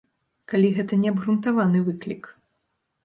Калі гэта неабгрунтаваны выклік.